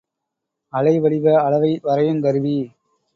அலை வடிவ அளவை வரையுங் கருவி.